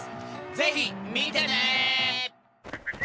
ぜひ見てね！